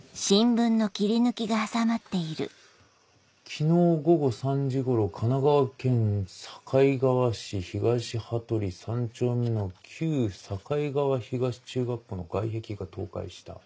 「昨日午後３時頃神奈川県境川市東羽鳥３丁目の旧境川東中学校の外壁が倒壊した。